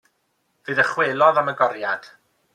Fe ddychwelodd am y goriad.